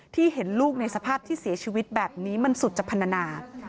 เห็นลูกในสภาพที่เสียชีวิตแบบนี้มันสุจพันธนา